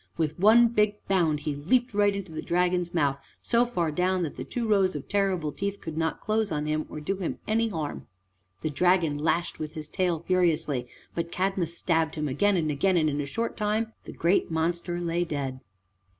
With one big bound he leaped right into the dragon's mouth, so far down that the two rows of terrible teeth could not close on him or do him any harm. The dragon lashed with his tail furiously, but Cadmus stabbed him again and again, and in a short time the great monster lay dead.